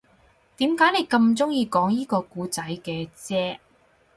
點解你咁鍾意講依個故仔嘅啫